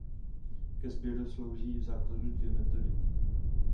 Ke sběru slouží v základu dvě metody.